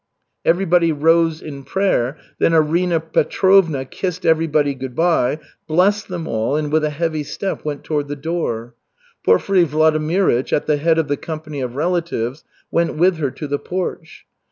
Everybody rose in prayer, then Arina Petrovna kissed everybody good by, blessed them all, and with a heavy step went toward the door. Porfiry Vladimirych, at the head of the company of relatives, went with her to the porch.